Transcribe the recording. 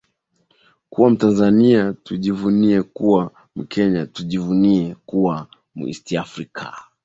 kuwa mtanzania tujivunie kuwa mkenya tujivunie kuwa mu east afrika